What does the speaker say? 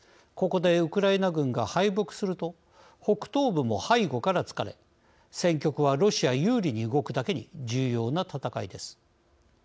ここでウクライナ軍が敗北すると北東部も背後からつかれ戦局はロシア有利に動くだけに重要な戦いです。